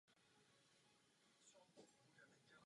Vyskytuje se taktéž ve Spojených státech na Floridě a v Texasu.